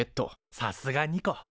さすがニコ。